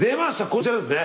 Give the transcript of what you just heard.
こちらですね。